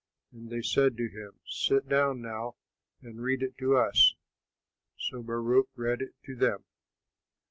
And they said to him, "Sit down now and read it to us." So Baruch read it to them.